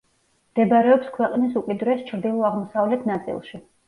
მდებარეობს ქვეყნის უკიდურეს ჩრდილო-აღმოსავლეთ ნაწილში.